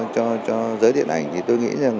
cho giới điện ảnh thì tôi nghĩ rằng